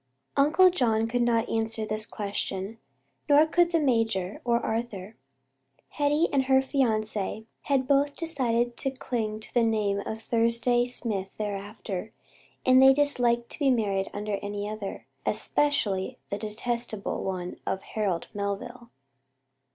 Uncle John could not answer this question, nor could the major or Arthur. Hetty and her fiancÚ had both decided to cling to the name of Thursday Smith thereafter, and they disliked to be married under any other especially the detestable one of Harold Melville.